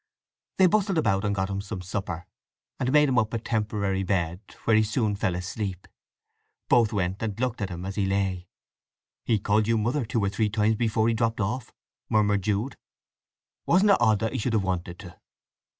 They bustled about and got him some supper, and made him up a temporary bed, where he soon fell asleep. Both went and looked at him as he lay. "He called you Mother two or three times before he dropped off," murmured Jude. "Wasn't it odd that he should have wanted to!"